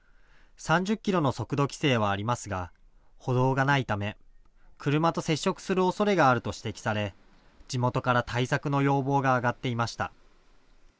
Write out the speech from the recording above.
３０キロの速度規制はありますが歩道がないため車と接触するおそれがあると指摘され地元から対策の要望が上がっていました。